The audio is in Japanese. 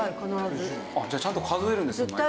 じゃあちゃんと数えるんですね。